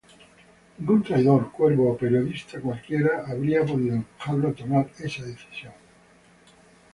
Ningún traidor, cuervo o periodista cualquiera habría podido empujarlo a tomar esa decisión.